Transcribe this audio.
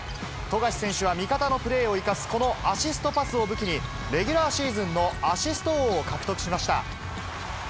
富樫選手は味方のプレーを生かすこのアシストパスを武器に、レギュラーシーズンのアシスト王を獲得しました。